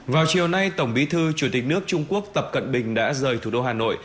vào chiều nay tổng bí thư chủ tịch nước trung quốc tập cận bình đã rời thủ đô hà nội